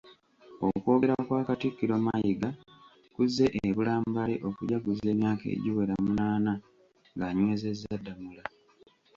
Okwogera kwa Katikkiro Mayiga kuzze ebula mbale okujaguza emyaka egiwera munaana ng'anywezezza Ddamula